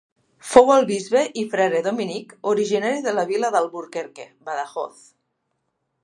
Fou el bisbe i frare dominic originari de la vila d'Alburquerque, Badajoz.